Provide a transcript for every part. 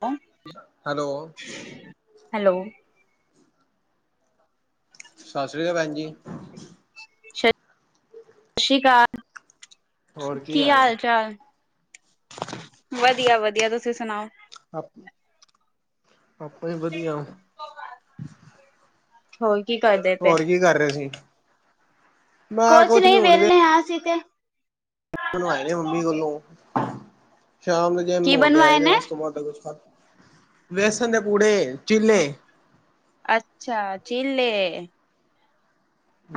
ਕੌਣ hello hello ਸਾਸ੍ਰੀ ਕਾਲ ਭੈਣ ਜੀ। ਸੱ, ਸਸਰੀ ਕਾਲ, ਕੀ ਹਾਲ- ਚਾਲ ਵਧੀਆ- ਵਧੀਆ ਤੁਸੀਂ ਸੁਣਾਓ ਅਪ, ਆਪਾਂ ਵੀ ਵਧੀਆ। ਹੁਣ ਕੀ ਕਰਦੇ ਪਏ ਹੋਰ ਕੀ ਕਰ ਰਹੇ ਸੀ। ਕੁਛ ਨੀ, ਵੇਹਲੇ ਆਂ ਅਸੀਂ ਤੇ ਬਣਵਾਏ ਨੇ ਮੰਮੀ ਕੋਲੋਂ, ਸ਼ਾਮ ਨੂੰ ਜਿੰਮ ਕੀ ਹੋ ਕੇ ਆਏ ਬਣਵਾਏ ਨੇ, ਉਸ ਤੋਂ ਬਾਅਦ ਕੁਛ ਖਾਧਾ ਬੇਸਣ ਦੇ ਪੂੜੇ, ਚੀੇਲੇ ਅੱਛਾ, ਚੀਲੇ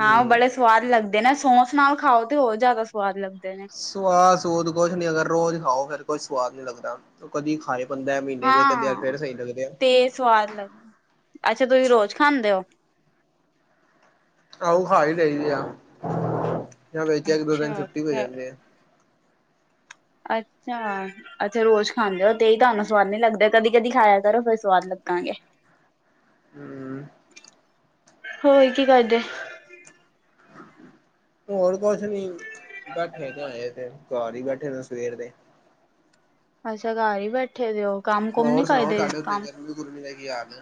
ਹਾਂ ਬੜੇ ਸਵਾਦ ਲੱਗਦੇ ਨੇ, ਸੌਸ ਨਾਲ ਖਾਓ ਤੇ ਉਹ ਜ਼ਿਆਦਾ ਸਵਾਦ ਲੱਗਦੇ ਨੇ। ਸਵਾਦ ਸੁੂਦ ਕੁਛ ਨੀ ਅਗਰ ਰੋਜ਼ ਖਾਓ ਫਿਰ ਕੁਛ ਸਵਾਦ ਨੀਂ ਲੱਗਦਾ, ਉਹ ਕਦੀ ਖਾਏ ਬੰਦਾ ਮਹੀਨੇ ਹਾਂ ਚ ਕਦੇ -ਹਾਂ ਫੇਰ ਸਹੀ ਲੱਗਦੇ ਆ। ਤੇ ਸਵਾਦ ਲੱਗ, ਅੱਛਾ ਤੁਸੀਂ ਰੋਜ਼ ਖਾਂਦੇ ਓ ਆਊ ਖਾ ਹੀ ਲਈਦੇ ਆ, ਜਾਂ ਵਿੱਚ ਇੱਕ- ਦੋ ਦਿਨ ਅੱਛਾ ਛੁੱਟੀ ਹੋ ਜਾਂਦੀ ਏ। ਅੱਛਾ ਅੱਛੇ ਰੋਜ਼ ਖਾਂਦੇ ਓ, ਤੇ ਹੀ ਤੁਹਾਨੂੰ ਸਵਾਦ ਨੀ ਲੱਗਦੇ, ਕਦੀ- ਕਦੀ ਖਾਇਆ ਕਰੋ ਫੇਰ ਸਵਾਦ ਲੱਗਾਗੇ। ਹਮ ਹੋਰ ਕੀ ਕਰਦੇ ਹੋਰ ਕੁਛ ਨੀ, ਬੈਠੇ ਤੇ ਆਏ ਤੇ, ਘਰ ਹੀ ਬੈਠੇ ਨੇ ਸਵੇਰ ਦੇ ਅੱਛਾ ਘਰ ਹੀ ਬੈਠੇ ਵੇ ਉਹ, ਕੰਮ ਕੁਮ ਨੀ ਹੋਰ ਸੁਣਾਓ ਕਰਦੇ, ਤੁਹਾਡੇ ਉੱਤੇ ਕੰਮ ਗਰਮੀ ਗੁਰਮੀ ਦਾ ਕੀ ਹਾਲ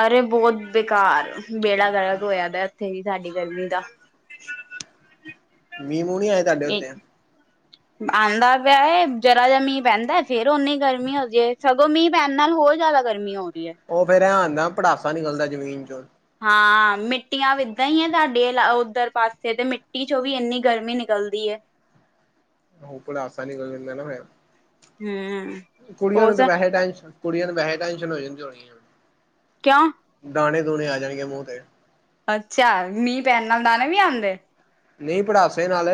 ਅਰੇ ਬੋਤ ਬੇਕਾਰ, ਬੇੜਾ ਗਰਗ ਹੋਇਆ ਪਿਆ ਇੱਥੇ ਵੀ ਸਾਡੀ ਗਰਮੀ ਦਾ ਮੀਂਹ ਮੂਂ ਨੀਂ ਆਏ ਤੁਹਾਡੇ ਇੱਕ [inaudible] ਆਉਂਦਾ ਪਿਆ ਜਰਾ ਜਿਹਾ ਮੀਂਹ ਪਹਿੰਦਾ ਫੇਰ ਓਨੀ ਗਰਮੀ ਹੋ ਜਾਏ ਸਗੋਂ ਮੀਂਹ ਪੈਣ ਨਾਲ ਹੋਰ ਜਾਦਾ ਗਰਮੀ। ਗਰਮੀ ਹੋ ਰੀ ਹੈ। ਉਹ ਫੇਰ ਇਹਂ ਹੋਂਦਾ ਪੜਾਸਾ ਨਿਕਲਦਾ ਜਮੀਨ ਚੋਂ। ਹਾਂ ਮਿੱਟੀਆਂ ਇੱਦਾਂ ਹੀ ਹੈ ਤੁਹਾਡੇ ਉੱਧਰ ਪਾਸੇ ਤੇ ਮਿੱਟੀ ਚੋਂ ਵੀ ਇੰਨੀ ਗਰਮੀ ਨਿਕਲਦੀ ਏ। ਉਹ ਪੜਾਸਾਂ ਨੀਕਲ ਜਾਂਦਾ ਨਾ ਫੇਰ, ਹਮ ਕੁੜੀਆਂ ਹੋਰ ਨੂੰ ਤਾਂ ਸ ਵੈਸੇ ਟੈਸ਼ਨ ਕੁੜੀਆਂ ਨੂੰ ਵੈਸੇ ਹੈ ਟੈਂਸ਼ਨ ਹੋ ਜਾਂਦੀ ਹੋਣੀ ਆ। ਕਿਉਂ? ਦਾਣੇ-ਦੂਣੇ ਆ ਜਾਣਗੇ ਮੂੰਹ ਤੇ। ਅੱਛਾ, ਮੀਂਹ ਪੈਣ ਨਾਲ ਦਾਣੇ ਵੀ ਆਂਦੇ। ਨਹੀਂ ਪੜਾਸੇ ਨਾਲ।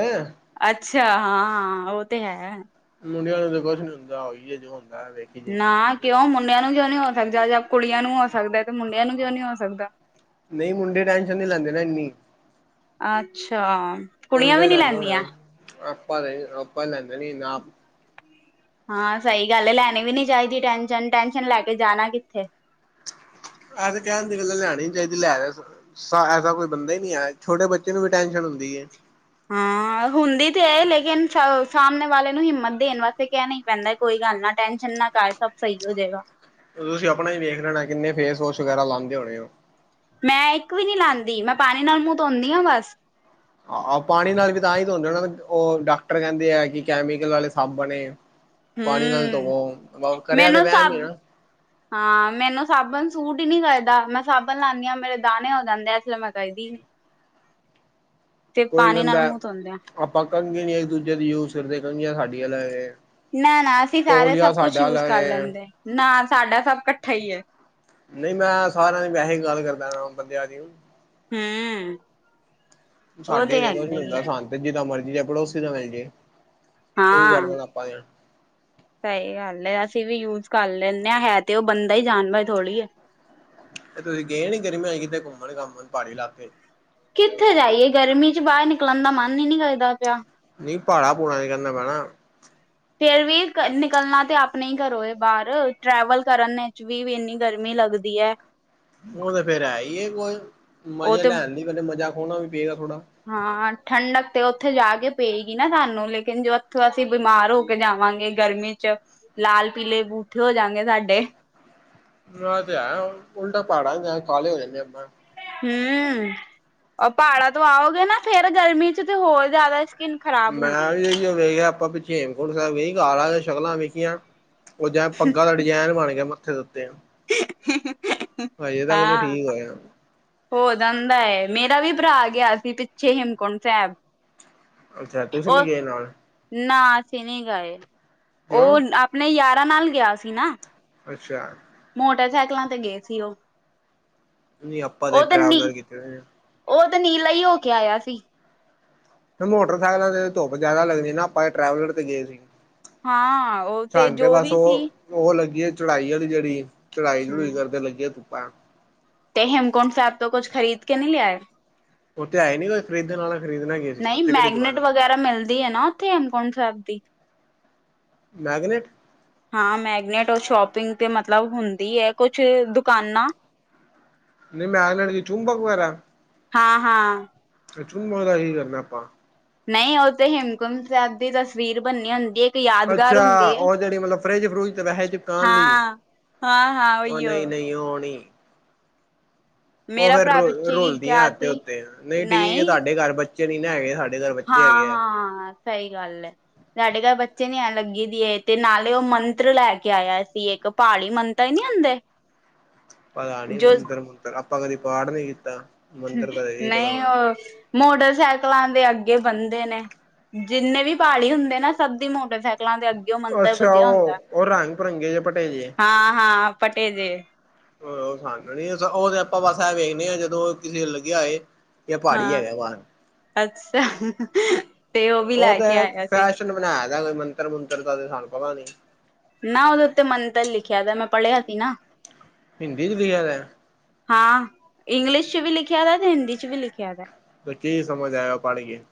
ਅੱਛਾ, ਹਾਂ-ਹਾਂ ਉਹ ਤੇ ਹੈ। ਮੁੰਡਿਆਂ ਨੂੰ ਤਾਂ ਕੁਛ ਨੀ ਹੁੰਦਾ ਉਹੀ ਜੇ ਜੋ ਹੁੰਦਾ ਹੈ ਵੇਖ ਨਾ ਕਿਉਂ ਮੁੰਡਿਆਂ ਨੂੰ ਕਿਉਂ ਨੀ ਹੋ ਸਕਦਾ ਜੇ ਕੁੜੀਆਂ ਨੂੰ ਹੋ ਸਕਦਾ ਤੇ ਮੁੰਡਿਆਂ ਨੂੰ ਕਿਉਂ ਨੀ ਹੋ ਸਕਦਾ। ਨਹੀਂ ਮੁੰਡੇ ਟੈਂਨਸ਼ਨ ਨੀ ਲੈਂਦੇ ਨਾ ਇੰਨੀ। ਅੱਛਾ, ਕੋਈ ਕੁੜੀਆਂ ਵੀ ਕੋਈ ਨੀਂ ਲੈਂਦਾ ਲੈਂਦੀਆਂ। ਹੋਣਾ। ਆਪਾਂ ਨੀ ਆਪਾਂ ਲੈਦਾ ਨੀ ਨਾ। ਹਾਂ, ਸਹੀ ਗੱਲ ਏ ਲੈਣੀ ਵੀ ਨੀ ਚਾਹੀਦੀ ਟੈਨਸ਼ਨ, ਟੈਨਸ਼ਨ ਲੈ ਕੇ ਜਾਣਾ ਕਿੱਥੇ। ਐ ਤੇ ਕਹਣ ਦੀ ਗੱਲਾ ਲੈਣੀ ਨੀ ਚਾਹੀਦੀ ਲੈ ਐਸਾ ਕੋਈ ਬੰਦਾ ਹੀ ਨਹੀ ਹੈਗਾ ਛੋਟੇ ਬੱਚੇ ਨੂੰ ਵੀ ਟੈਨਸ਼ਨ ਹੁੰਦੀ ਏ। ਹੂੰ। ਹਾ ਹੁੰਦੀ ਤੇ ਹੈ, ਲੇਕਿਨ ਸਾਹਮਣੇ ਵਾਲੇ ਨੂੰ ਹਿੰਮਤ ਦੇਣ ਵਾਸਤੇ ਕਹਿ ਨੀ ਪੈਂਦਾ ਕੋਈ ਗੱਲ ਨਾ ਟੈਨਸ਼ਨ ਨਾ ਕਰ। ਸਭ ਸਹੀ ਹੋ ਜਾਏਗਾ। ਤੁਸੀਂ ਆਪਣਾ ਹੀ ਵੇਖ ਲੈਣਾ ਕਿੰਨੇ ਫੇਸ ਵੋਸ਼ ਵਗੈਰਾ ਲਾਂਦੇ ਹੋਣੇ ਓ। ਮੈਂ ਇੱਕ ਵੀ ਨੀ ਲਾਉਂਦੀ ਮੈਂ ਪਾਣੀ ਨਾਲ ਮੂੰਹ ਧੋਦੀ ਹਾਂ ਬਸ। ਆਹ ਪਾਣੀ ਨਾਲ ਵੀ ਤਾਂ ਹੀ ਧੋਂਦੇ ਨਾ ਉਹ ਡਾਕਟਰ ਕਹਿੰਦੇ ਆ ਕਿ ਕੈਮੀਕਲ ਵਾਲੇ ਸਾਬਣ ਏ। ਪਾਣੀ ਨਾਲ ਹਮ ਧੋਵੋ, ਕਰਿਆ ਤੇ ਮੈਨੂੰ ਵਹਿਮ ਹੀ ਐ ਸਭ ਨਾ। ਹਾਂ ਮੈਨੂੰ ਸਾਬਣ ਸੂਟ ਹੀ ਨੀ ਕਰਦਾ ਮੈਂ ਸਾਬਣ ਲਾਉਣੀ ਹਾਂ ਮੇਰੇ ਦਾਣੇ ਹੋ ਜਾਂਦੇ ਆ ਇਸਲੇ ਮੈਂ ਕਾਰਦੀ ਨੀ। ਕੋਈ ਪਾਣੀ ਨਾਲ ਕਹਿੰਦਾ ਮੂੰਹ ਧੋਂਦੇ ਆ। ਆਪਾਂ ਕੰਘੇ ਨੀ ਇੱਕ ਦੂਜੇ ਦੀ ਯੂਜ ਕਰਦੇ ਕੰਘੀਆਂ ਸਾਡੀਆਂ ਅੱਲਗ ਲਗ ਏ। ਨਾ- ਨਾ ਅਸੀਂ ਸਾਰੇ ਤੌਲੀਆ ਸਭ ਕੁਛ ਸਾਡਾ ਯੂਜ ਅਲੱਗ ਕਰ ਏ ਲੈਂਦੇ, ਨਾ ਸਾਡਾ ਸਭ ਇਕੱਠਾ ਹੀ ਏ। ਨਹੀਂ ਮੈਂ ਸਾਰਿਆਂ ਦੀ ਵੈਸੇ ਹੀ ਗੱਲ ਕਰਦਾ ਪਿਆ ਬੰਦਿਆਂ ਦੀ। ਹੂੰ। ਸਾਡੇ ਇਹਦੇ ਕੁਛ ਨੀ ਹੀ ਹੁੰਦਾ ਹੈ ਸਾਂਝ ਮਰਜ਼ੀ ਜਾ ਚਕਲੋ [unintelligible] ਦਾ ਮਿਲ ਜੇ ਹਾਂ ਗੱਲ ਆਪਾਂ। ਸਹੀ ਗੱਲ ਹੈ ਅਸੀਂ ਵੀ ਯੂਜ ਕਰ ਲੈਂਦੇ ਹਾਂ ਹੈ ਤੇ ਉਹ ਬੰਦਾ ਹੀ ਜਾਨਵਰ ਥੋੜੀ ਏ। ਇਹ ਤੁਸੀਂ ਗਏ ਨੀ ਗਰਮੀ ਆ ਕਿਤੇ ਘੁੱਮਣ ਘਾਮਣ ਪਹਾੜੀ ਇਲਾਕੇ? ਕਿੱਥੇ ਜਾਈਏ ਗਰਮੀ ਚ ਬਾਹਰ ਨਿਕਲਣ ਦਾ ਮਨ ਹੀ ਨਹੀਂ ਕਰਦਾ ਪਿਆ। ਨਹੀਂ ਭਹਾੜਾ ਪੂੜਾ ਚ ਕੇਹਨਾ ਪਿਆ ਨਾ। ਫੇਰ ਵੀ ਨਿਕਲਣਾ ਤੇ ਆਪਣੇ ਹੀ ਘਰੋਂ ਏ ਬਾਹਰ ਟਰੈਵਲ ਕਰਨ ਵਿੱਚ ਵੀ ਇੰਨੀ ਗਰਮੀ ਲੱਗਦੀ ਏ। ਉਹ ਤੇ ਫੇਰ ਹੈ ਹੀ ਹੈ ਫੇਰ ਉਹ ਮਜ਼ੇ ਤੇ ਲੈਣ ਲੇ ਮਜ਼ਾ ਖੋਣਾ ਵੀ ਪਏਗਾ ਥੋੜਾ। ਹਾਂ ਠੰਡਕ ਤੇ ਉੱਥੇ ਜਾ ਕੇ ਪਏਗੀ ਨਾ ਸਾਨੂੰ ਲੇਕਿਨ ਜੋ ਉੱਥੋਂ ਅਸੀਂ ਬਿਮਾਰ ਹੋ ਕੇ ਜਾਵਾਂਗੇ ਗਰਮੀ ਚ ਲਾਲ, ਪੀਲੇ ਬੂਥੇ ਹੋ ਜਾਣਗੇ ਸਾਡੇ। ਮ ਤੇ ਆਇਆ ਹੋਇਆ ਹੈ ਉਲਟਾ ਪਹਾੜਾ ਚ ਜਾ ਕੇ ਕਾਲੇ ਹੋ ਜਾਂਦੇ ਆਪਾਂ। ਹੂੰ ਪਹਾੜਾਂ ਤੋਂ ਆਓਗੇ ਨਾ ਫੇਰ ਗਰਮੀ ਚ ਤੇ ਹੋਰ ਜ਼ਿਆਦਾ ਸਕਿਨ ਮੈਂ ਵੀ ਵੇਖਿਆ ਆਪਾਂ ਪਿੱਛੇ ਹੇਮਕੁੰਡ ਸਾਹਿਬ ਗਏ ਕਾਲਾ ਤੇ ਸ਼ਕਲਾ ਵੇਖੀਆ। ਓ ਜਿਵੇ ਪੱਗਾਂ ਦਾ ਡਿਜ਼ਾਇਨ ਬਣ ਗਿਆ ਮੱਥੇ ਦੇ ਉੱਤੇ। ਹਜੇ ਤੱਕ ਨੀ ਹਾਂ। ਠੀਕ ਹੋਇਆ ਹੋ ਜਾਂਦਾ ਏ, ਮੇਰਾ ਵੀ ਭਰਾ ਗਿਆ ਸੀ ਪਿੱਛੇ ਹੇਮਕੁੰਟ ਸੈਬ। ਅੱਛਾ, ਤੁਸੀਂ ਨੀ ਗਏ ਨਾਲ? ਨਾ ਅਸੀਂ ਨੀ ਗਏ, ਓ ਕਿਉਂ ਆਪਣੇ ਯਾਰਾਂ ਨਾਲ ਗਿਆ ਸੀ ਨਾ। ਅੱਛਾ। ਮੋਟਰਸੈਕਲਾਂ ਤੇ ਗੇ ਸੀ ਓ। ਨ‌ਈ ਆਪਾਂ ਤੇ ਟਰੈਵਲਰ ਕੀਤੇ ਹੋਏ ਆ। ਓ ਤੇ ਨੀਲਾ ਈ ਹੋ ਕੇ ਆਇਆ ਸੀ। ਮੋਟਰਸੈਕਲਾਂ ਤੇ ਧੁੱਪ ਜਾਦਾ ਲੱਗਦੀ ਆ ਨਾ ਆਪਾਂ ਤੇ ਟਰੈਵਲਰ ਤੇ ਗਏ ਸੀ। ਹਾਂ ਓ ਤੇ ਜੋ ਵੀ ਸੀ। ਓ ਲੱਗੀ ਆ ਚੜਾਈ ਆਲੀ ਜੇੜੀ ਚੜਾਈ ਚੜੂਈ ਹੂੰ ਕਰਦੇ ਲੱਗੀਆ ਧੁੱਪਾ। ਤੇ ਹੇਮਕੁੰਟ ਸੈਬ ਤੋ ਕੁਛ ਖਰੀਦ ਕੇ ਨੀ ਲਿਆਏ? ਓਥੇ ਹੈਈ ਨੀ ਕੁਛ ਖਰੀਦਣ ਆਲਾ। ਨ‌ਈ ਮੈਗਨੇਟ ਵਗੈਰਾ ਮਿਲਦੀ ਐ ਨਾ ਉੱਥੇ ਹੇਮਕੁੰਡ ਸੈਬ ਦੀ। ਮੈਗਨੇਟ? ਹਾਂ ਮੈਗਨੇਟ ਓ ਸ਼ੋਪਿੰਗ ਤੇ ਮਤਲਬ ਹੁੰਦੀ ਐ ਕੁਛ ਦੁਕਾਨਾਂ ਨ‌ਈ ਮੈਗਨੇਟਿਕ ਕੀ ਚੁੰਬਕ ਵਗੈਰਾ? ਹਾਂ-ਹਾਂ। ਏ ਚੁਬਕ ਦਾ [unintelligible] ਕਰਨਾ ਆਪਾਂ। ਨਹੀਂ ਉਹਥੇ ਹੇਮਕੁੰਮ ਸਾਹਿਬ ਦੀ ਤਸਵੀਰ ਬਣੀ ਹੁੰਦੀ ਏ। ਅੱਛਾ, ਓ ਜੇੜੀ ਮਤਲਬ ਫਰੈਜ ਫਰੂਜ ਤੇ ਵੈਸੇ ਚਿਪਕਾਣ ਲਈ। ਹਾਂ ਹਾਂ ਹਾਂ ਓ ਉਹੀਓ ਨ‌ਈ-ਨ‌ਈ ਓ ਨੀ। ਓ ਮੇਰਾ ਫੇਰ ਭਰਾ ਰੁਲ ਪਿੱਛੇ ਕੀ ਰੁਲਦੀਆਂ ਗਿਆ ਐਥੇ ਸੀ ਓਥੇ, ਨ‌ਈ ਠੀਕ ਐ ਤੁਹਾਡੇ ਘਰ ਬੱਚੇ ਨੀ ਨਾ ਹੈਗੇ ਸਾਡੇ ਘਰ ਬੱਚੇ ਹੈਗੇ ਹੈ ਹਾਂ-ਹਾਂ ਸਹੀ ਗੱਲ ਐ। ਸਾਡੇ ਘਰ ਬੱਚੇ ਨੀ ਆਣ ਲੱਗੀ ਦੀ ਤੇ ਨਾਲੇ ਓ ਮੰਤਰ ਲੈ ਕੇ ਆਇਆ ਸੀ ਇੱਕ ਪਾੜੀ ਮੰਦਰ ਨੀ ਹੁੰਦੇ। [unintelligible] ਪਤਾ ਨੀ ਜੋ ਮੰਤਰ ਮੂਤਰ ਆਪਾਂ ਕਦੀ ਪਾਠ ਨੀ ਕੀਤਾ, ਮੰਤਰ ਦਾ ਫੇਰ ਹੀ ਪਤਾ ਹੋਣਾ। ਮੋਟਰਸੈਕਲਾਂ ਦੇ ਅੱਗੇ ਬੰਨਦੇ ਨੇ। ਜਿੰਨੇ ਵੀ ਪਾੜੀ ਹੁੰਦੇ ਨਾ ਸਭ ਦੀ ਮੋਟਰਸੈਕਲਾ ਦੇ ਅੱਗੇ ਮੰਤਰ ਅੱਛਾ ਬੰਨਿਆ ਹੁੰਦਾ, ਉਹ ਉਹ ਰੰਗ ਬਿਰੰਗੇ ਜੇ ਭਟੇਜੇ ਹਾਂ-ਹਾਂ ਪਟੇ ਤੇ। [unintelligible] ਓ ਸਾਨੂੰ ਨੀ, ਔਹ ਤੇ ਬਸ ਐਹ ਵੇਖਦੇ ਆ ਜਦੋਂ ਕਿਸੇ ਲੱਗਿਆ ਹੋਏ ਜਾਂ ਪਹਾੜੀ ਹਾਂ, ਹੈਗਾ ਬਾਹਰ ਅੱਛਾ ਤੇ ਓ ਵੀ ਉਹ ਲੈ ਤੇ ਕੇ ਆਇਆ ਸੀ। [unintelligible] ਮੰਤਰ ਮੂਤਰ ਤਾਂ ਸਾਨੂੰ ਪਤਾ ਨੀ। ਨਾ ਓਦੇ ਉੱਤੇ ਮੰਤਰ ਲਿਖਿਆ ਦਾ, ਮੈਂ ਪੜ੍ਹਿਆ ਸੀ ਨਾ। ਹਿੰਦੀ ਚ ਲਿਖਿਆ ਹੋਇਆ? ਹਾਂ, ਇੰਗਲਿਸ਼ ਚ ਵੀ ਲਿਖਿਆ ਵਾ ਤੇ ਹਿੰਦੀ ਚ ਵੀ ਲਿਖਿਆ ਵਾ। ਫੇਰ ਕੀ ਸਮਝ ਆਇਆ ਪੜ ਕੇ?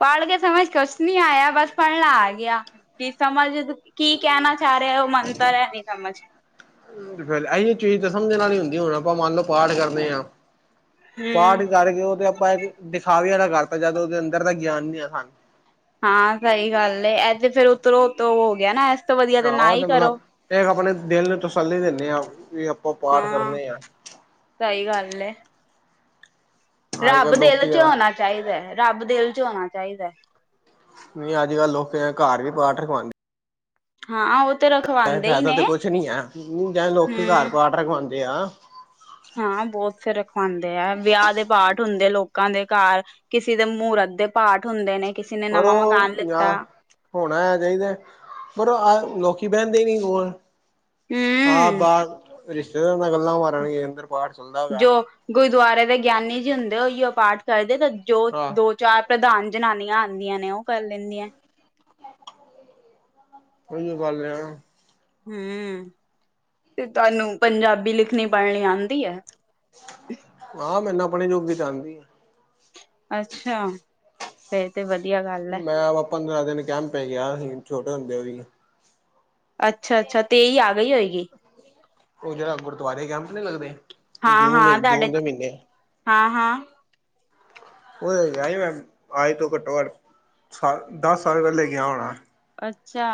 ਪੜ ਕੇ ਸਮਝ ਕੁਛ ਨੀ ਆਇਆ ਬਸ ਪੜਨਾ ਆ ਗਿਆ, ਕੀ ਸਮਝ ਤ ਕੀ ਕਹਿਣਾ ਚਾ ਰਿਆ ਓ ਮੰਤਰ ਐ ਨੀ ਸਮਝ ਤੇ ਫੇਰ ਏਹੀਓ ਚੀਜ਼ ਤਾਂ ਸਮਝ ਆਲੀ ਹੁੰਦੀ ਆ, ਹੁਣ ਆਪਾਂ ਮੰਨ ਲਓ ਪਾਠ ਕਰਦੇ ਆ‌। ਪਾਠ ਹਮ ਕਰਕੇ ਓ ਤੇ ਆਪਾਂ ਇੱਕ ਦਿਖਾਵੇ ਆਲਾ ਕਰਤਾ ਜਦ ਓਦੇ ਅੰਦਰ ਦਾ ਗਿਆਨ ਨੀ ਆ ਸਾਨੂੰ। ਹਾਂ ਸਹੀ ਗੱਲ ਏ ਏਹ ਤੇ ਫੇਰ ਓਤਰੋ ਓਤੋ ਓ ਹੋ ਗਿਆ ਨਾ। ਤੋਂ ਵਧੀਆ ਆਹੋ ਨਾ ਓ ਹੀ ਤੇ ਕਰੋ ਮਤਲਬ ਏ ਆਪਣੇ ਦਿਲ ਨੂੰ ਤਸੱਲੀ ਦਿੰਨੇ ਆਂ ਵੀ ਆਪਾਂ ਪਾਠ ਕਰਨੇ ਆਂ। ਸਈ ਗੱਲ ਏ। ਅੱਜ ਰੱਬ ਕੱਲ੍ਹ ਦਿਲ ਲੋਕੀ 'ਚ ਤਾਂ ਹੋਣਾ ਚਾਈਦਾ ਰੱਬ ਦਿਲ 'ਚ ਹੋਣਾ ਚਾਈਦਾ। ਨਈ ਅੱਜ ਕੱਲ੍ਹ ਲੋਕ ਐ ਘਰ ਵੀ ਪਾਠ ਰਖਵਾਂਦ ਹਾਂ ਓ ਤ ਐ ਫਾਇਦਾ ਤੇ ਕੁਛ ਨੀ ਐ ਊ ਜੇ ਲੋਕੀ ਘਰ ਹਮ ਪਾਠ ਰਖਵਾਂਦੇ ਆ। ਹਾਂ ਬੋਤ ਫਿਰ ਰਖਵਾਂਦੇ ਆ ਵਿਆਹ ਦੇ ਪਾਠ ਹੁੰਦੇ ਲੋਕਾਂ ਦੇ ਘਾਰ ਕਿਸੇ ਦੇ ਮਹੂਰਤ ਦੇ ਪਾਠ ਹੁੰਦੇ ਨੇ ਕਿਸੇ ਨੇ ਪਰ ਨਵਾਂ ਮਕਾਨ ਉਹ ਯਾਰ ਲਿੱਤਾ ਹੋਣਾ ਆ ਚਾਈਦਾ ਪਰ ਆਹ ਲੋਕੀ ਬੈਨਦੇ ਨੀ ਕੋਲ ਹੂੰ ਆਪ ਬਾਰ ਰਿਸ਼ਤੇਦਾਰਾਂ ਨਾਲ ਗੱਲਾਂ ਮਾ ਜੋ ਗੁਰਦੁਆਰੇ ਦੇ ਗਿਆਨੀ ਜੀ ਹੁੰਦੇ ਉਹੀ ਪਾਠ ਕਰਦੇ ਤੇ ਜੋ ਦੋ ਆਹ ਚਾਰ ਪ੍ਰਧਾਨ ਜਨਾਨੀਆਂ ਆਂਦੀਆਂ ਨੇ ਓ ਕਰ ਲੈਂਦੀਆਂ। ਉਹੀਉ ਗੱਲ ਏ ਨਾ। ਹੂੰ ਤੇ ਤੁਆਨੂੰ ਪੰਜਾਬੀ ਲਿਖਣੀ ਪੜ੍ਹਣੀ ਆਂਦੀ ਐ। ਹਾਂ ਮੈਨੁੰ ਆਪਣੇ ਜੋੋਗੀ ਤੇ ਆਂਦੀ ਏ। ਅੱਛਾ ਫਿਰ ਤੇ ਵਧੀਆ ਗੱਲ ਹੈ ਮੈਂ ਵਾ ਪੰਦਰਾਂ ਦਿਨ ਕੈਂਪ ਗਿਆ ਸੀ ਛੋਟੇ ਹੁੰਦਿਆਂ ਵੀ ਅੱਛਾ-ਅੱਛਾ ਤੇਈ ਆ ਗਈ ਹੋਏਗੀ। ਓ ਜੇੜਾ ਗੁਰਦੁਆਰੇ ਕੈਂਪ ਨਈ ਲੱਗਦੇ ਜੂਨ -ਜੂਨ ਦੇ ਮ੍ਹੀਨੇ ਹਾਂ-ਹਾਂ ਉਦੇ ਤੇ ਗਿਆ ਹੀ ਮੈਂ ਅੱਜ ਤੋਂ ਘੱਟੋ ਘੱਟ ਦਸ ਸਾਲ ਪੈਲੇ ਗਿਆ ਹੋਣਾ। ਅੱਛਾ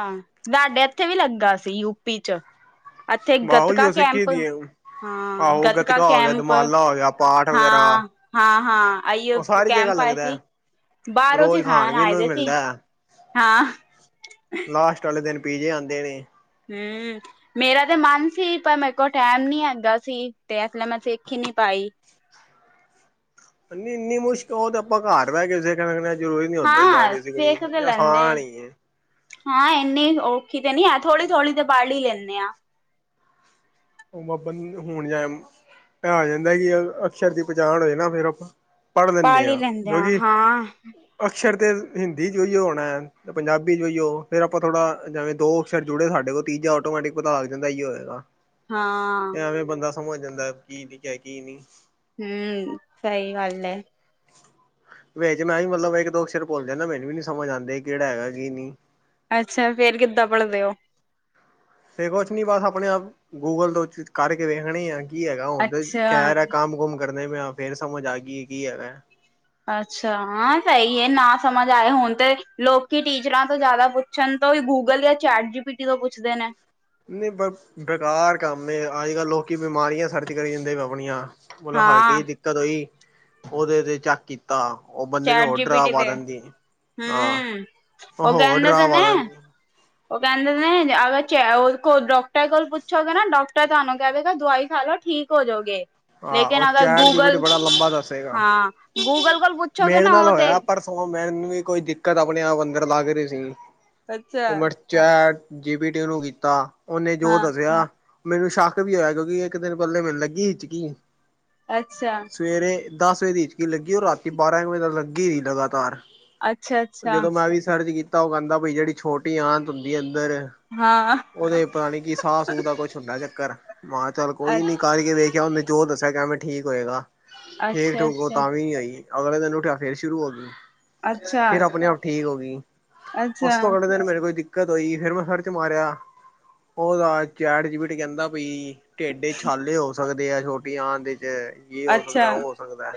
ਯਾਡੇ ਇੱਥੇ ਵੀ ਲੱਗਾ ਸੀ ਯੂਪੀ 'ਚ ਇੱਥੇ ਵਾਹ ਗਤਕਾ ਉਹੀ ਸਿੱਖੀ ਕੈਂਪ ਦੀ ਹਾਂ ਆਹੋ ਗਤਕਾ ਗੱਤਕਾ ਹੋ ਗਿਆ ਕੈਂਪ ਦਮਾਲਾ ਹੋ ਗਿਆ ਪਾਠ ਵਗੈਰਾ ਹਾਂ-ਹਾਂ-ਹਾਂ। ਆਈਓ ਉਹ ਸਾਰੀ ਜਗ੍ਹਾ ਕੈਂਪ ਆਏ ਲੱਗਦਾ ਸੀ ਹੈ। ਬਾਰੋ ਰੋਜ਼ ਖਾਣ ਸਿਖਾਣ ਪੀਣ ਆਏ ਨੂੰ ਵੀ ਦੇ ਸੀ ਮਿਲਦਾ ਹੈ। ਹਾਂ। ਲਾਸਟ ਆਲੇ ਦਿਨ ਪੀਜੇ ਆਂਦੇ ਨੇ। ਹੂੰ ਮੇਰਾ ਤੇ ਮਨ ਸੀ ਪਰ ਮੇਰੇ ਕੋਲ ਟੈਮ ਨੀ ਹੈਗਾ ਸੀ ਤੇ ਇਸ ਲਈਮੈਂ ਸਿੱਖ ਈ ਨੀ ਪਾਈ। ਇੰਨੀ-ਇੰਨੀ ਮੁਸ਼ਕ ਓ ਤਾ ਆਪਾਂ ਘਾਰ ਬੈ ਕੇੇ ਸਿ ਖ ਸਕਦੇ ਜ਼ਰੂਰੀ ਨੀ ਉਥੇ ਜਾ ਹਾਂ ਕੇ ਸਿੱਖਣੀ ਸਿੱਖ ਤੇ ਏ ਲੈਂਦੇ ਆਸਾਨ ਈ ਏ। ਹਾਂ ਇੰਨੀ ਔਖੀ ਤੇ ਨੀ ਹੈ ਥੋੜੀ-ਥੋੜੀ ਤੇ ਪੜ ਈ ਲੈਂਣੇ ਆਂ। ਓ ਅਪਣ ਹੁਣ ਜਾ ਐ ਹੋ ਜਾਂਦਾ ਕਿ ਅਕਸ਼ਰ ਦੀ ਪਛਾਣ ਹੋਏ ਨਾ ਫਿਰ ਆਪਾਂ ਪੜ੍ਹ ਲੈਣੇ ਹੀ ਆਂ ਲੈਂਦੇ ਜੋ ਆ ਕਿ ਹਾਂ। ਅਕਸ਼ਰ ਤੇ ਹਿੰਦੀ 'ਚ ਉਹੀ ਹੋਣਾ। ਤੇ ਪੰਜਾਬੀ 'ਚ ਵੀ ਉਹੀਉ ਫਿਰ ਆਪਾਂ ਥੋੜ੍ਹਾ ਜਵੇਂ ਦੋ ਅਕਸ਼ਰ ਜੁੜੇ ਸਾਡੇ ਕੋਲ ਤੀਜਾ ਆਟੋਮੈਟਿਕ ਪਤਾ ਲੱਗ ਜਾਂਦਾ ਇਹੀ ਹੋਏਗਾ। ਹਾਂ। ਤੇ ਐਵੇਂ ਬੰਦਾ ਸਮਝ ਜਾਂਦਾ ਕੀ ਲਿਖਿਆ ਕੀ ਨਈ। ਹੂੰ ਸਈ ਗੱਲ ਏ। ਵਿੱਚ ਮੈਂ ਵੀ ਮਤਲਬ ਇੱਕ ਦੋ ਅਕਸਰ ਭੁੱਲ ਜਾਂਨਾ ਮੈਨੂੰ ਵੀ ਨੀ ਮੈਨੂੰ ਆਂਦੇ ਕੇੜਾ ਹੈਗਾ ਕੀ ਨੀ। ਅੱਛਾ ਫੇਰ ਕਿੱਦਾਂ ਪੜਦੇ ਓ। ਫਿਰ ਕੁਛ ਨੀ ਬਸ ਆਪਣੇ ਆਪ ਗੂਗਲ ਤੋਂ ਕੱਡ ਕੇ ਵੇਖਣੀ ਐ। ਕੀ ਹੈਗਾ ਹੁਣ ਤਾਂ ਕੈ ਅੱਛਾ ਰਏ ਕੰਮ ਕੁੰਮ ਕਰਨੇ ਪਏ ਆਂ ਫੇਰ ਸਮਝ ਆ ਗਈ ਕੀ ਹੈਗਾ। ਅੱਛਾ ਹਾਂ ਸਈ ਐ ਨਾ ਸਮਝ ਆਏ ਹੁਣ ਤੇ ਲੋਕੀ ਟੀਚਰਾਂ ਤੋਂ ਜਾਦਾ ਪੁ ਛਣ ਤੋਂ ਵੀ ਗੂਗਲ ਜਾਂ ਚੈਟ ਜੀ ਪੀਟੀਤੋਂ ਪੁੱਛਦੇ ਨੇ। ਨਈ ਬ ਬੇਕਾਰ ਕੰਮ ਏ ਅੱਜ ਕੱਲ ਲੋਕੀ ਬਿਮਾਰੀਆਂ ਸਰਚ ਕਰੀ ਜਾਂਦੇ ਆਪਣੀਆ। ਮਤਲਬ ਹਰਕੀ ਹਾਂ ਜੀ ਦਿੱਕਤ ਓਈ ਉਹਦੇ ਤੇ ਚੱਕ ਤਾਂ ਉਹ ਬੰਦੇ ਨੂੰ ਹੋਰ ਡਰਾ ਪਾ ਦਿੰਦੀ ਏ। ਹਮ ਔ ਕੇੰਦੇ ਤੇ ਪਾ ਨੇ ਦਿੰਦੀ ਉਹ ਕੈੰਦੇ ਨੇ ਅਗਰ ਚ ਡਾਕਟਰ ਕੋਲ ਪੂਛੋਗੇ ਨਾ ਡਾਕਟਰ ਤਾਨੂੰ ਦੇਗਾ ਦਵਾਈ ਖਾ ਲੋ ਠੀਕ ਹੋ ਜੋਗੇ, ਹਾਂ ਲੇਕਿਨ ਉਹ ਅਗਰ ChatGPT Google ਬੜਾ ਲੰਬਾ ਦੱਸੇਗਾ। ਹਾਂ ਗੂਗਲ ਕੋਲ ਪੁੱਛ ਮੇਰੇ ਨਾਲ ਹੋਇਆ ਪਰਸੋ ਮੈਨੂੰ ਵੀ ਕੋਈ ਦਿੱਕਤ ਆਪਣੇ ਆਪ ਅੰਦਰ ਲੱਗ ਰੀ ਸੀ। ਉ ਮੈੰ ਚੈਟ ਜੀਪੀਟੀ ਨੂੰ ਕੀਤਾ ਉਨੇ ਜੋ ਦੱਸਿਆ ਮੈਨੂੰ ਸ਼ੱਕ ਵੀ ਹੋਇਆ, ਕਿਉਂਕਿ ਇੱਕ ਦਿਨ ਪੈਲੇ ਮੈਨੂੰ ਲੱਗੀ ਹਿਚਕੀ ਅੱਛਾ। ਸਵੇਰੇ ਦਸ ਵਜੇ ਦੀ ਹਿਚਕੀ ਲੱਗੀ ਔਰ ਰਾਤੀ ਬਾਰਾਂ ਵਜੇ ਤੱਕ ਲੱਗੀ ਰੀ ਲਗਾਤਾਰ। ਜਦੋਂ ਮੈਂ ਵੀ ਸਰਚ ਕੀਤਾ ਉਹ ਕੈੰਦਾ ਬਈ ਜੇੜੀ ਛੋਟੀ ਆਂਤ ਹੁੰਦੀ ਏ ਅੰਦਰ ਹਾ। ਓਦੇ ਪਤਾ ਨੀ ਕੀ ਸਾਹ ਸੂਹ ਦਾ ਕੁਛ ਹੁੰਦਾ ਚੱਕਰ ਮਹਾ ਚੱਲ ਕੋਈ ਨੀ ਕਰਕੇ ਵੇਖ ਔਨੇ ਜੋ ਦੱਸਿਆ ਕਿਵੇਂ ਠੀਕ ਹੋਏਗਾ ਠੀਕ-ਠੂਕ ਔ ਤਾਂ ਵੀ ਨੀ ਹੋਈ। ਅਗਲੇ ਦਿਨ ਉੱਠਿਆ ਫੇਰ ਸ਼ੁਰੂ ਹੋ ਗਈ। ਫੇਰ ਆਪਣੇ ਆਪ ਠੀਕ ਹੋ ਗੀ ਉਸ ਤੋਂ ਅਗਲੇ ਦਿਨ ਮੇਰੇ ਕੋਈ ਦਿ ਕਤ ਹੋਈ ਫਿਰ ਮੈਂ ਸਰ ਚ ਮਾਰਿਆ ਉਹਦਾ ਚੈਟ ਜੀਵਿਟੀ ਕੇਂਦਾ ਪਈ ਟੇਡ ਇਚ ਛਾਲੇ ਹੋ ਸਕਦੇ ਆ ਛੋਟੀ ਆਂਤ ਇਚ। ਕੀ ਹੋ ਸਕਦਾ, ਓ ਹੋ ਸਕਦਾ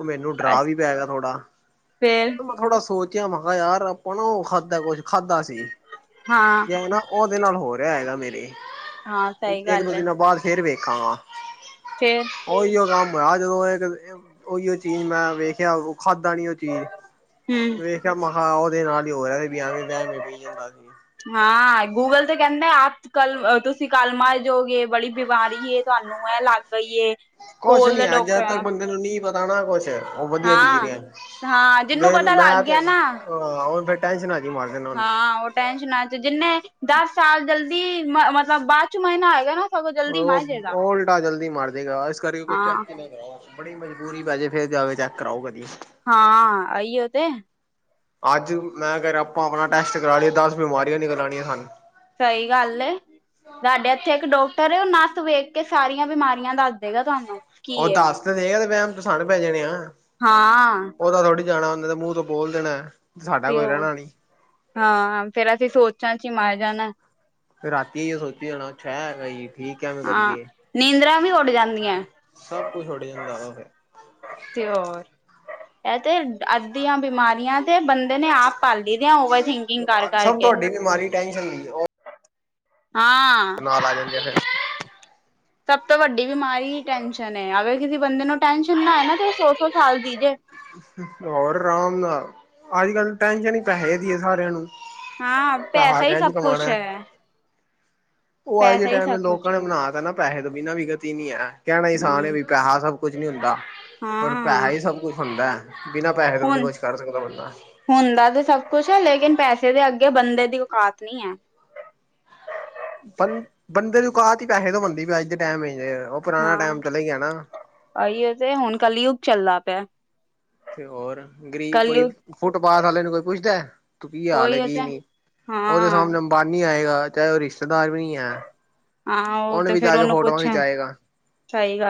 ਓ ਮੈਨੂੰ ਡਰਾ ਵੀ ਪੈ ਗਾ ਥੋੜਾ। ਫਿਰ ਤੇ ਮੈਂ ਥੋੜਾ ਸੋਚਿਆ ਮੈਂ ਕਿਹਾ ਯਾਰ ਆਪਾਂ ਨਾ ਉਹ ਖਾਧਾ ਕੁਛ ਖਾਧਾ ਸੀ। ਹਾਂ। ਓ ਨਾ ਉਦੇ ਨਾਲ ਹੋ ਰਿਹਾ ਹੈਗਾ ਮੇਰੇ, ਹਾਂ ਸਹੀ ਗੱਲ ਇੱਕ-ਦੋ ਦਿਨਾਂ ਬਾਦ ਫੇਰ ਵੇਖਾ ਗਾ। ਫੇਰ ਓਹੀਓ ਕੰਮ ਹੋਇਆ ਜਦੋਂ ਇਹ ਓਹੀਓ ਚੀਜ਼ ਮੈਂ ਵੇਖਿਆ ਉਹ ਖਾਧਾ ਨੀ ਉਹ ਚੀਜ਼ ਹੂੰ। ਵੇਖਿਆ ਮਹਾ ਉਹਦੇ ਨਾਲ ਹੀ ਹੋ ਰਿਹਾ ਵੀ ਆਵੇਂ ਵੇਮ ਏ ਪਈ ਜਾਂਦਾ ਸੀ। ਹਾਂ ਗੂਗਲ ਤੇ ਕੇਂਦਾ ਆਪ ਕੱਲ ਤੁਸੀਂ ਕੱਲ ਮਾਰ ਜੋੋਗੇ ਬੜੀ ਬਿਮਾਰੀ ਏ ਤੁਹਾਨੂੰ ਐ ਲੱਗ ਪਈ ਏ। ਕੁਛ ਕੋਲ ਨੀ ਦੇ ਹੈ ਡਾਕਟਰ ਜਦ ਤੱਕ ਬੰਦੇ ਨੂੰ ਨੀ ਪਤਾ ਨਾ ਕੁਛ ਓ ਵਧੀਆ ਜੀ ਹਾਂ ਰਿਆ। ਹਾਂ ਜਿਨੂੰ ਪਤਾ ਲੱਗ ਗਿਆ ਨਾ ਹਾਂ ਓ ਤਾ ਟੈਂਨਸ਼ਨਾ ਇਚ ਈ ਮਾਰਜਨ। ਹਾਂ ਉਹ ਟੈਸ਼ਨਾ ਚ ਜਿੰਨੇ ਦੱਸ ਸਾਲ ਜਲਦੀ ਮ ਮਤਲਬ ਬਾਦ ਚ ਮਰਨਾ ਹੈਏਗਾ ਨਾ ਸਗੋਂ ਜਲਦੀ ਓ ਮਰ ਜੇਗਾ ਓਈ ਦਾ ਜਲਦੀ ਮਾਰਜੇਗਾ ਇਸ ਕਰਕੇ ਕੁ ਹਾਂ ਚੈੱਕ ਹੀ ਨਾ ਕਰਾਉ ਬੜੀ ਮਜਬੂਰੀ ਪੈ ਜੇ ਫੇਰ ਜਾ ਕੈ ਚੈੱਕ ਕਰਾਓ ਕਦੀ। ਹਾਂ ਐਈਔ ਤੇ। ਅੱਜ ਮੈਂ ਕੇ ਰਿਆ ਆਪਾਂ ਆਪਣਾ ਟੈਸਟ ਕਰਾ ਲਈ ਦੱਸ ਬਿਮਾਰੀਆ ਨਿਕਲ ਆਣੀਆਂ ਸਾਨ। ਸਈ ਗੱਲ ਏ। ਸਾਡੇ ਏਥੇ ਇੱਕ ਡਾਕਟਰ ਉਹ ਨਾਸ ਵੇਖ ਕੇ ਸਾਰੀਆ ਬਿਮਾਰੀਆਂ ਦੱਸਦੇਗਾ ਤੁਹਾਨੂੰ। ਕੀ ਓ ਏ ਦੱਸ ਤੇ ਦੇਗਾ ਤੇ ਵੇਮ ਤੇ ਸਾਨੂੰ ਪੈ ਜਾਣੇ ਆ। ਹਾਂ। ਓਦਾ ਥੋੜ੍ਹੀ ਜਾਣਾ ਊਨੇ ਤੇ ਮੂੰਹ ਤੋਂ ਬੋਲ ਦੇਣਾ। ਸਾਡਾ ਤੇ ਕੋਈ ਉਹ ਰਹਿਣਾ ਨੀ ਹਾਂ ਫੇਰ ਅਸੀਂ ਸੋਚਾ ਇਚ ਹੀ ਮਰ ਜਾਣਾ। ਫਿਰ ਰਾਤੀ ਏਇਔ ਸੋਚੀ ਜਾਣਾ ਛੇ ਰਈ। ਹਾਂ ਨੀਂਦਰਾ ਵੀ ਉੱਡ ਜਾਂਦੀਐ। ਸਭ ਕੁਛ ਉੱਡ ਜਾਂਦਾ ਵਾ ੳ ਫੇਰ ਤੇ ਹੋਰ ਐ ਤੇ ਅੱਧੀਆਂ ਬਿਮਾਰੀਆਂ ਤੇ ਬੰਦੇ ੳਨੇ ਆਪ ਪਾਲਦੀਆ ਓਵਰ ਥਿੰਕਿੰਗ ਕਾਰ ਸਭ ਕਾਰਕੇ ਤੁਹਾਡੀ ਬਿਮਾਰੀ ਟੈਨਸ਼ਨ ਦੀ ਉਹ ਹਾਂ। ਨਾਲ ਆ ਜਾਂਦੇ ਫੇਰ ਸਭ ਤੋਂ ਵੱਡੀ ਬਿਮਾਰੀ ਟੈਸ਼ਨ ਏ, ਅਗਰ ਕਿਸੇ ਬੰਦੇ ਨੂੰ ਟੈਸ਼ਨ ਨਾਏ ਨਾ ਤੇ ਸੌ-ਸੌ ਸਾਲ ਜੀ ਜੇ ਔਰ ਆਰਾਮ ਨਾਲ ਅੱਜ-ਕੱਲ ਟੈਨਸ਼ਨ ਈ ਪੈਹੇ ਦੀ ਸਾਰਿਆਂ ਨੂੰ ਹਾਂ ਪੈਸਾ ਈ ਸਭ ਕੁਛ ਹੈ। ਉ ਅੱਜ ਦੇ ਪੈਸਾ ਹੀ ਟੈਮ ਸਭ ਕੁਛ ਲੋਕਾਂ ਨੇ ਹੈ ਬਣਾ ਤ ਨਾ ਪੈਹੇ ਤੋਂ ਬਿਨਾਂ ਵੀ ਗਤੀ ਨੀ ਹੈ। ਕੈਣਾ ਈ ਅਸਾਨ ਏ ਹਮ ਵੀ ਪੈਹਾ ਸਭ ਕੁਛ ਨੀ ਹੁੰਦਾ। ਪਰ ਪੈਹਾ ਹਾਂ ਈ ਸਭ ਕੁੱਛ ਹੁੰਦੈ, ਬਿਨਾਂ ਪੈਹੇ ਤੋਂ ਵੀ ਨੀ ਹੁਣ ਕੁਛ ਕਰ ਸਕਦਾ ਬੰਦਾ ਹੁੰਦਾ ਤੇ ਸਭ ਕੁੱਛ ਏ, ਲੇਕਿਨ ਪੈਸੇ ਦੇ ਅੱਗੇ ਬੰਦੇ ਦੀ ਔਕਾਤ ਨੀ ਐ। ਬ ਬੰਦੇ ਦੀ ਔਕਾਤ ਚ ਈ ਪੈਹੇ ਤੋਂ ਬਨਦੀ ਅੱਜ ਦੇ ਟੈਮ ਉ ਪੁਰਾਣਾ ਟੈਮ ਚਲੇ ਗਿਆ ਨਾ। ਆਈਐ ਤੇ ਹੁਨ ਕੱਲ -ਯੁੱਗ ਚੱਲਦਾ ਪਿਆ। ਤੇ ਹੋਰ ਗਰੀਬ ਕੋਈ, ਕਲਯੁਗ ਫੁੱਟ ਪਾਥ ਵਾਲੇ ਨੂੰ ਕੋਈ ਪੁੱਛਦੈ ਤੂੰ ਕੀ ਹਾਲ ਉਹੀ ਕੀ ਤੇ ਨਈ। ਹਾਂ। ਬਾਨੀ ਆਏਗਾ ਚਾਹੇ ਉ ਰਿਸ਼ਤੇਦਾਰ ਵੀ ਨੀ ਐ। ਹਾਂ ਉਹ ਉਨੂੰ ਤੇ ਵੀ ਫੇਰ ਜਾ ਕੇ ਉਹਨੂੰ ਫੋਟੋਆਂ ਪੁੱਛਣ ਖਿਚਾਏਗਾ। ਸਹੀ ਗੱਲ